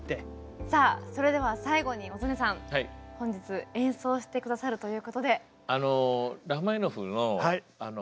さあそれでは最後に小曽根さん本日演奏して下さるということで。